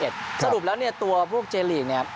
สรุปแล้วเนี่ยตัวพวกเจลีกเนี่ย